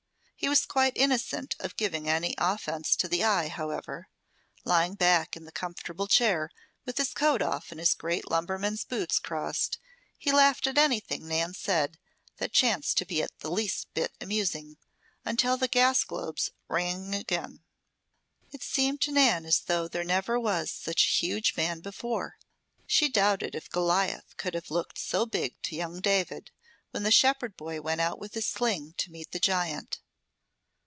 He was quite innocent of giving any offence to the eye, however. Lying back in the comfortable chair with his coat off and his great lumberman's boots crossed, he laughed at anything Nan said that chanced to be the least bit amusing, until the gas globes rang again. It seemed to Nan as though there never was such a huge man before. She doubted if Goliath could have looked so big to young David, when the shepherd boy went out with his sling to meet the giant.